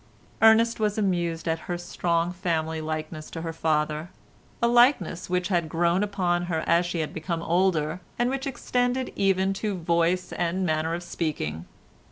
Ernest was amused at her strong family likeness to her father—a likeness which had grown upon her as she had become older, and which extended even to voice and manner of speaking.